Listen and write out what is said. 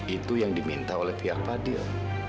itu yang diminta oleh pihak fadil